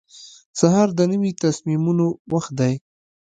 سهار د نوي تصمیمونو وخت دی.